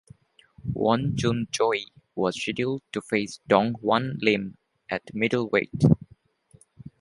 Won Jun Choi was scheduled to face Dong Hwan Lim at middleweight.